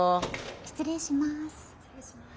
失礼します。